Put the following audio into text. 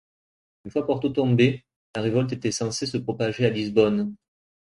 Une fois Porto tombée, la révolte était censée se propager à Lisbonne.